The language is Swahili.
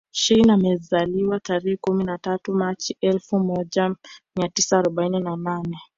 Shein amezaliwa tarehe kumi na tatu machi elfu moja mia tisa arobaini na nane